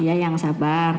iya yang sabar